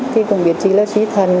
thì cũng biết chị là sĩ thần